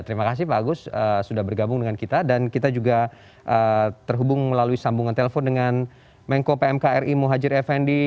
terima kasih pak agus sudah bergabung dengan kita dan kita juga terhubung melalui sambungan telepon dengan mengko pmkri muhajir effendi